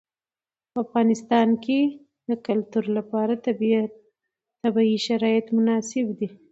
په افغانستان کې د کلتور لپاره طبیعي شرایط مناسب دي.